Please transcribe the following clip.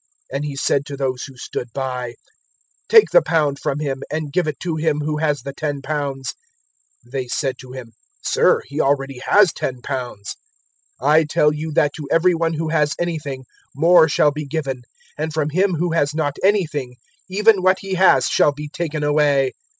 019:024 "And he said to those who stood by, "`Take the pound from him and give it to him who has the ten pounds.' 019:025 ("They said to him, "`Sir, he already has ten pounds.') 019:026 "`I tell you that to every one who has anything, more shall be given; and from him who has not anything, even what he has shall be taken away.